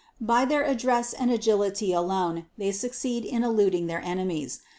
By their address and agility alone, they succeed in eluding their enemies.